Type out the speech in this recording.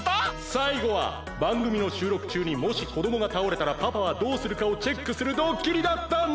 最後はばんぐみのしゅうろくちゅうにもしこどもがたおれたらパパはどうするかをチェックするドッキリだったんです。